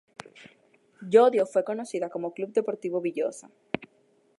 Llodio fue conocida como Club Deportivo Villosa.